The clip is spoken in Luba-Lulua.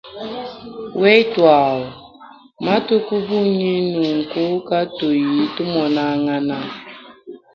Wetuau, matuku bunyi nunku katuyi tumonangana.